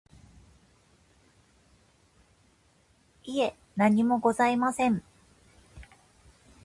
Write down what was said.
いえ、何もございません。